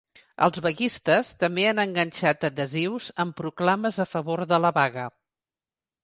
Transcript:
Els vaguistes també han enganxat adhesius amb proclames a favor de la vaga.